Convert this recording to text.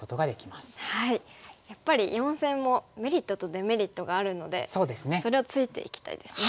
やっぱり四線もメリットとデメリットがあるのでそれをついていきたいですね。